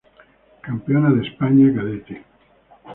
Campeona de España Cadete.